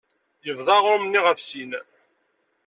Yebḍa aɣrum-nni ɣef sin.